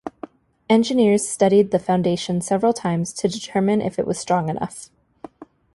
Engineers studied the foundation several times to determine if it was strong enough.